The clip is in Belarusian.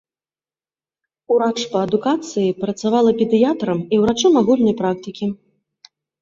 Урач па адукацыі, працавала педыятрам і ўрачом агульнай практыкі.